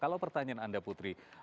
kalau pertanyaan anda putri